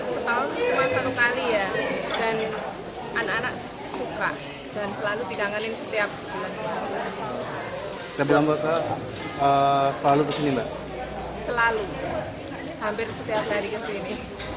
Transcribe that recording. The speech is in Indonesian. selalu hampir setiap hari kesini